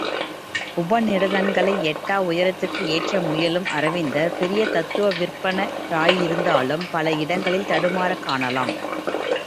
உபநிடதங்களை எட்டா உயரத்திற்கு ஏற்ற முயலும் அரவிந்தர் பெரிய தத்துவ விற்பன்னராயிருந்தும் பல இடங்களில் தடுமாறக் காணலாம்.